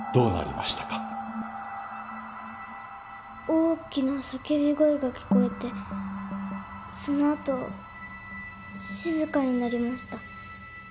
大きな叫び声が聞こえてそのあと静かになりました。